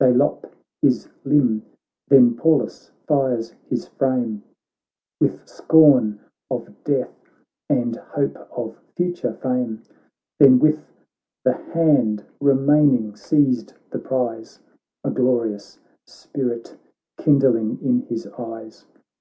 They lop his limb ; then Pallas fires his frame With scorn of death, and hope of future fame: Then \<rith the hand remaining seized the prize, A glorious spirit kindling in his eyes.